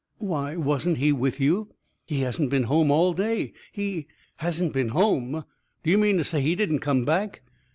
"Why, wasn't he with you? He hasn't been home all day. He " "Hasn't been home? Do you mean to say he didn't come back?"